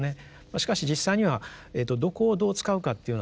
しかし実際にはどこをどう使うかっていうのはですね